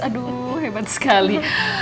aduh hebat sekali